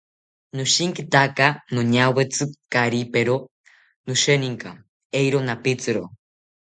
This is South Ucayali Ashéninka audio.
Noshinkitaka noñawetzi kari pero, nosheninka eero napitziro